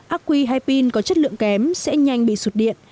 acqui hay pin có chất lượng kém sẽ nhanh bị sụt điện